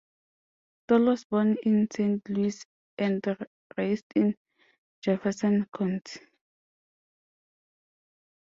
Stoll was born in Saint Louis and raised in Jefferson County.